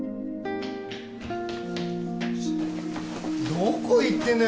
どこ行ってんだよ